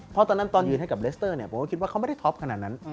เพราะตอนนั้นตอนยืนให้กับเลสเตอร์เนี่ยผมก็คิดว่าเขาไม่ได้ท็อปขนาดนั้น